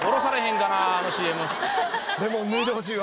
レモン脱いでほしいわ。